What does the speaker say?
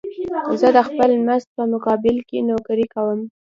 زه د خپل مزد په مقابل کې نوکري کوم